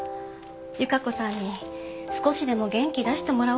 由加子さんに少しでも元気出してもらおうと思って。